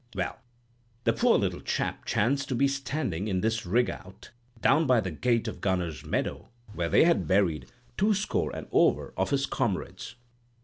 Well, the poor little chap chanced to be standing, in this rig out, down by the gate of Gunner's Meadow, where they had buried two score and over of his comrades.